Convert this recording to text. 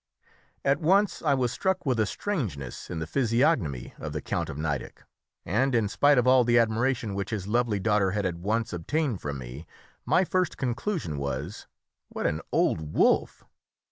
At once I was struck with a strangeness in the physiognomy of the Count of Nideck, and in spite of all the admiration which his lovely daughter had at once obtained from me, my first conclusion was, "What an old wolf!"